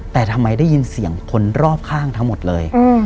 แต่ทำไมได้ยินเสียงคนรอบข้างทั้งหมดเลย